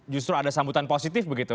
justru ada sambutan positif begitu